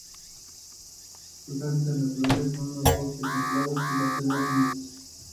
Sus hábitats naturales son los bosques templados y las selvas húmedas.